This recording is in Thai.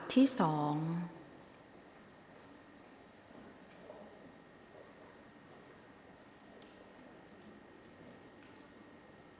หมายเลข๕๗